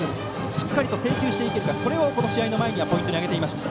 しっかりと制球していけるとそれをこの試合の前にはポイントに挙げていました。